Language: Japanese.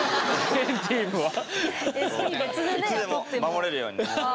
いつでも守れるように！